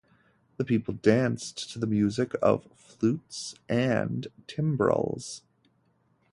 The people danced to the music of flutes and timbrels.